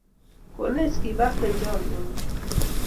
Konech kibarte chamyeng'ung'